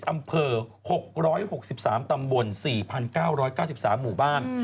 อำเภอ๖๖๓ตำบล๔๙๙๓หมู่บ้าน